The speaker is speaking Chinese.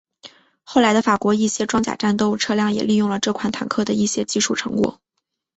后来的法国一些装甲战斗车辆也利用了这款坦克的一些技术成果。